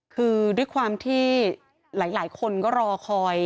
คือด้วยความที่หลายคนก็รอคอย